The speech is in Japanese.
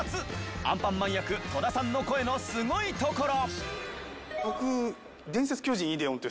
アンパンマン役戸田さんの声のスゴいところ。